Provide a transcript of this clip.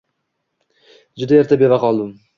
Juda erta beva qoldim.